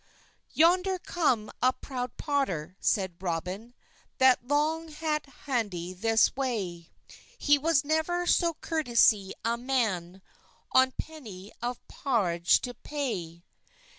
"Yonder comet a prod potter," seyde Roben, "That long hayt hantyd this wey; He was never so corteys a man On peney of pawage to pay."